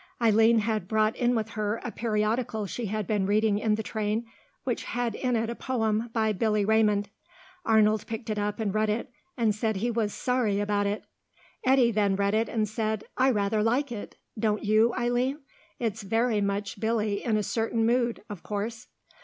Eileen had brought in with her a periodical she had been reading in the train, which had in it a poem by Billy Raymond. Arnold picked it up and read it, and said he was sorry about it. Eddy then read it and said, "I rather like it. Don't you, Eileen? It's very much Billy in a certain mood, of course."